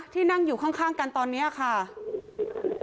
ที่นั่งอยู่ข้างกันตอนนี้ค่ะ